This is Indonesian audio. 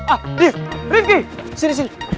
ah nih rindki sini sini